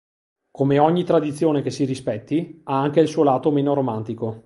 Come ogni tradizione che si rispetti, ha anche il suo lato meno romantico.